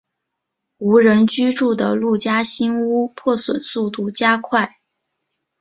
无人居住的陆家新屋破损速度加快。